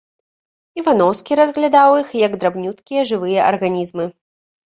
Іваноўскі разглядаў іх як драбнюткія жывыя арганізмы.